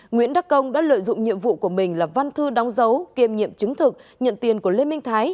nguyễn đắc công đã lợi dụng nhiệm vụ của mình là văn thư đóng dấu kiêm nhiệm chứng thực nhận tiền của lê minh thái